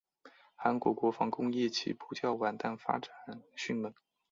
韩国国防工业起步较晚但发展迅猛。